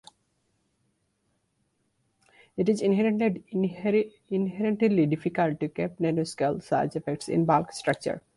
It is inherently difficult to keep nanoscale size effects in bulk structure.